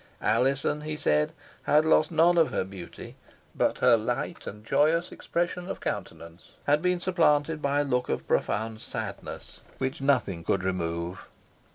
Alizon, he said, had lost none of her beauty, but her light and joyous expression of countenance had been supplanted by a look of profound sadness, which nothing could remove.